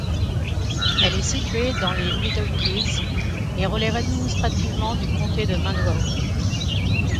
Elle est située dans les Middle Keys et relève administrativement du comté de Monroe.